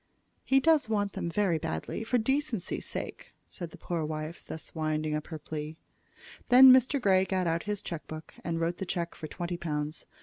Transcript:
"He does want them very badly for decency's sake," said the poor wife, thus winding up her plea. Then Mr. Grey got out his check book and wrote the check for twenty pounds.